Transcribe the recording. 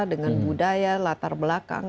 dengan budaya latar belakang